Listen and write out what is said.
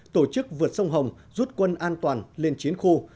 tổ chức vượt sông hồng rút quân an toàn lên chiến khu